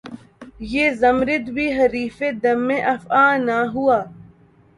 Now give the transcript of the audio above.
یہ زمّرد بھی حریفِ دمِ افعی نہ ہوا